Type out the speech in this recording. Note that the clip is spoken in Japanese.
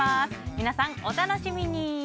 皆さん、お楽しみに。